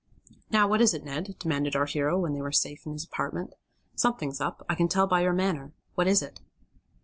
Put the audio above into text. "Now what is it, Ned?" demanded our hero, when they were safe in his apartment. "Something's up. I can tell by your manner. What is it?"